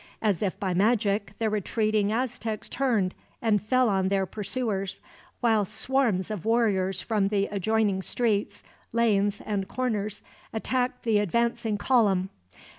As if by magic, the retreating Aztecs turned and fell on their pursuers; while swarms of warriors from the adjoining streets, lanes, and corners attacked the advancing column.